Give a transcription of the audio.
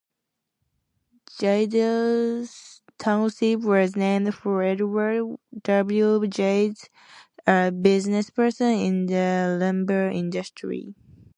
Jadis Township was named for Edward W. Jadis, a businessperson in the lumber industry.